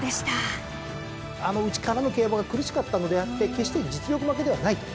あの内からの競馬が苦しかったので決して実力負けではないと。